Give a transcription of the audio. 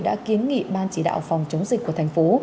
đã kiến nghị ban chỉ đạo phòng chống dịch của thành phố